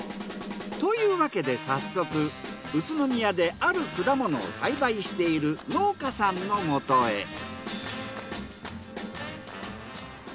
というわけで早速宇都宮である果物を栽培している農家さんの元へ。